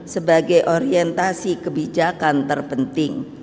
sebagai orientasi kebijakan terpenting